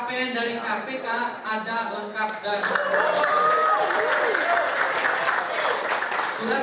benar benar suka anggaran laughed by mbak